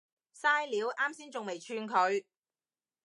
曬料，岩先仲未串佢